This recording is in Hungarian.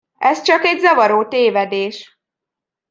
Ez csak egy zavaró tévedés.